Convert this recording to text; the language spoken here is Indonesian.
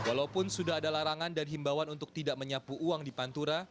walaupun sudah ada larangan dan himbawan untuk tidak menyapu uang di pantura